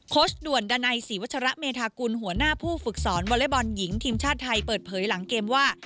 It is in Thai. ด่วนดันัยศรีวัชระเมธากุลหัวหน้าผู้ฝึกสอนวอเล็กบอลหญิงทีมชาติไทยเปิดเผยหลังเกมว่า